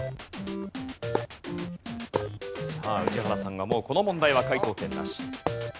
さあ宇治原さんがもうこの問題は解答権なし。